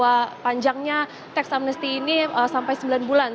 bahwa panjangnya tax amnesty ini sampai sembilan bulan